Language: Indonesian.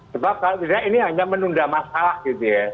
sebab kalau tidak ini hanya menunda masalah gitu ya